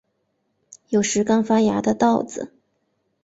有时刚发芽的稻子